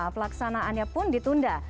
pelaksanaannya pun ditunda